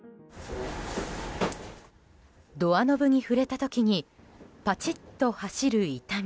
ドアノブに触れた時にパチッと走る痛み。